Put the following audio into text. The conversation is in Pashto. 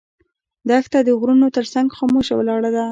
دښته د غرونو تر څنګ خاموشه ولاړه ده.